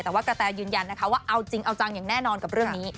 แต่ว่ากระแตยืนยันนะคะว่าเอาจริงเอาจังอย่างแน่นอนกับเรื่องนี้